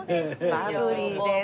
バブリーです。